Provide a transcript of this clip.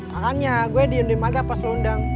makanya gue diundang undang pas lo undang